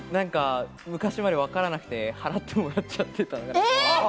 昔、よくわからなくて払ってもらっちゃってた。